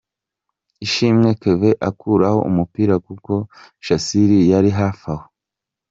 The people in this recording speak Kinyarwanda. Ishimwe Kevin akuraho umupira kuko Shassir yari hafi aho.